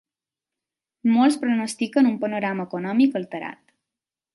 Molts pronostiquen un panorama econòmic alterat.